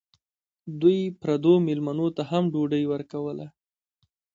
دوی پردو مېلمنو ته هم ډوډۍ ورکوله.